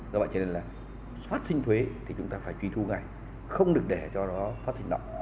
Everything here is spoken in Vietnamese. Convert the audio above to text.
do vậy cho nên là phát sinh thuế thì chúng ta phải truy thu ngay không được để cho nó phát sinh động